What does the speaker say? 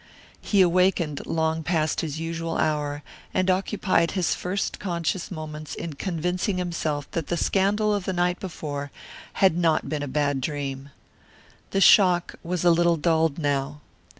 He awakened long past his usual hour and occupied his first conscious moments in convincing himself that the scandal of the night before had not been a bad dream. The shock was a little dulled now.